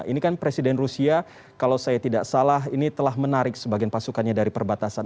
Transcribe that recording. ini kan presiden rusia kalau saya tidak salah ini telah menarik sebagian pasukannya dari perbatasan